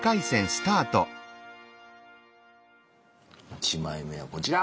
１枚目はこちら。